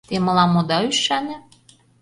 Те мылам ода ӱшане?